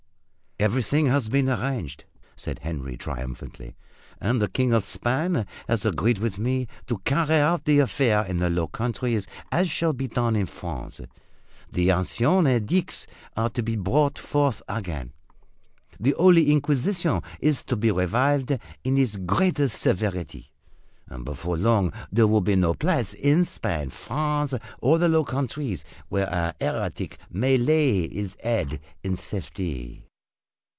"Everything has been arranged," said Henry triumphantly, "and the King of Spain has agreed with me to carry out the affair in the Low Countries as shall be done in France. The ancient edicts are to be brought forth again. The Holy Inquisition is to be revived in its greatest severity, and before long there will be no place in Spain, France or the Low Countries where a heretic may lay his head in safety."